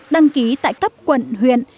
đăng ký tại cấp quận huyện